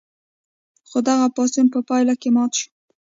خو دغه پاڅون په پایله کې مات شو.